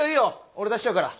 俺出しちゃうから。